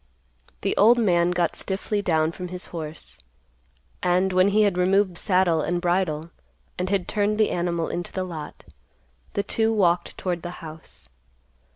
The old man got stiffly down from his horse, and when he had removed saddle and bridle, and had turned the animal into the lot, the two walked toward the house.